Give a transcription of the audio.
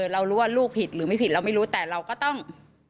เรารู้ว่าลูกผิดหรือไม่ผิดเราไม่รู้แต่เราก็ต้อง